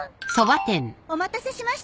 お待たせしました。